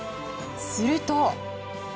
すると。